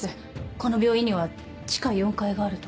この病院には地下４階があると。